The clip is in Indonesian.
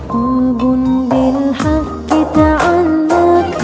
tuhun bilhak kita ala